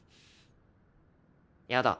やだ。